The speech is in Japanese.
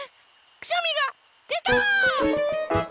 くしゃみがでた！